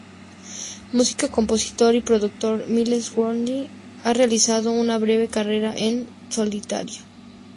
Músico, compositor y productor, Myles Goodwyn ha realizado una breve carrera en solitario.